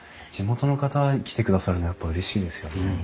地元の方来てくださるのやっぱうれしいですよね。